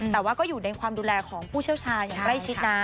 แต่ว่าก็อยู่ในความดูแลของผู้เชี่ยวชาญอย่างใกล้ชิดนะ